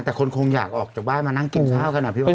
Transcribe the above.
แต่คนคงอยากออกจากบ้านมานั่งกินข้าวกันอ่ะพี่เบิร์